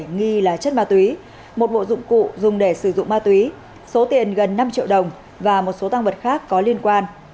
nghi là chất ma túy một bộ dụng cụ dùng để sử dụng ma túy số tiền gần năm triệu đồng và một số tăng vật khác có liên quan